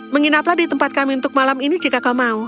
menginaplah di tempat kami untuk malam ini jika kau mau